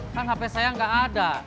kan hape saya gak ada